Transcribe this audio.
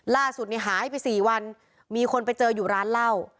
ล่าสุดหายไป๔วันมีคนไปเจออยู่ร้านเหล้า